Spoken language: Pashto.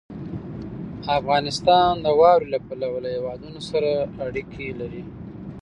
افغانستان د واورې له پلوه له هېوادونو سره اړیکې لري.